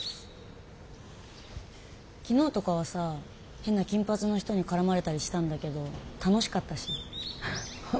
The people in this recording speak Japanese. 昨日とかはさ変な金髪の人に絡まれたりしたんだけど楽しかったし本当分かんない。